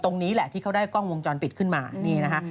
ตรงนี้แหละที่เขาได้กล้องวงจรปิดขึ้นมานี่นะคะ